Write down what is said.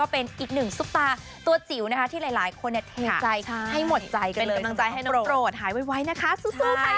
เป็นกำลังใจให้น้องโปรดหายไว้นะคะสู้ค่ะ